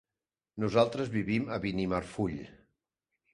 Nosaltres vivim a Benimarfull.